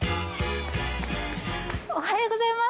おはようございます！